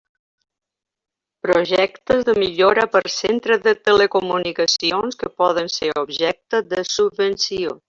Projectes de millora per centre de telecomunicacions que poden ser objecte de subvenció.